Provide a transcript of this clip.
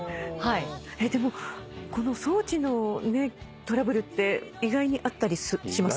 でも装置のトラブルって意外にあったりしますか？